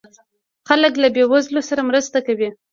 خلک له بې وزلو سره مرسته کوي.